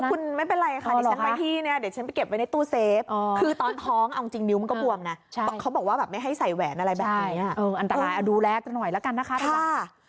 คุณไม่เป็นไรค่ะดิฉันไปที่เนี่ยเดี๋ยวฉันไปเก็บไว้ในตู้เซฟคือตอนท้องเอาจริงนิ้วมันก็บวมนะเขาบอกว่าแบบไม่ให้ใส่แหวนอะไรแบบนี้อันตรายเอาดูแลกันหน่อยแล้วกันนะคะเพราะว่า